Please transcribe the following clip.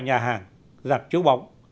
nhà hàng giặt chấu bóng